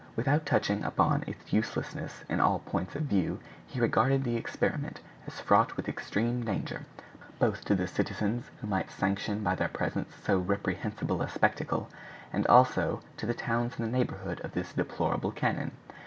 Without touching upon its uselessness in all points of view, he regarded the experiment as fraught with extreme danger, both to the citizens, who might sanction by their presence so reprehensible a spectacle, and also to the towns in the neighborhood of this deplorable cannon.